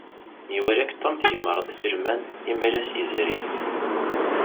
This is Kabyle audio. Iwala-k Tom tgemreḍ iselman Imalas yezrin.